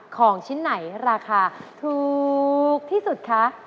ของชิ้นไหนราคาถูกที่สุดคะ